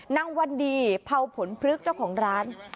วันดีเผาผลพลึกเจ้าของร้าน